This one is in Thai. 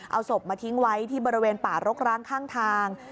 เอาศพมาทิ้งไว้ที่บริเวณป่ารกร้างข้างทาง